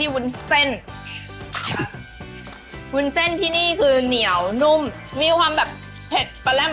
วุ่นเส้นที่นี่คือเหนียวนุ่มมีความแบบเผ็ดปะแล้ม